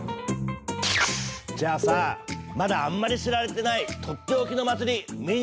じゃあさまだあんまり知られてないとっておきの祭り見に行かない？